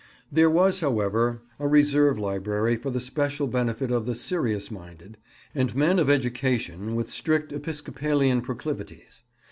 There was, however, a reserve library for the special benefit of the "serious" minded, and men of education with strict Episcopalian proclivities.